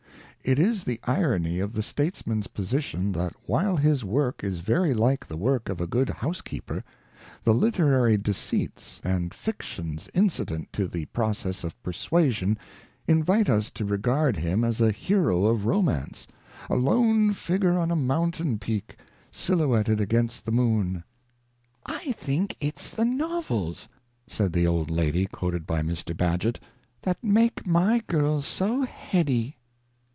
It is the irony of the states man's position that while his work is very like the work of a good housekeeper, the literary deceits and fictions incident to the process of persuasion invite us to regard him as a hero of romance, a lone figure on a mountain peak, silhouetted against the moon. ' I think it 's the novels ', said the old lady quoted by Mr. Bagehot, ' that make my girls so heady.'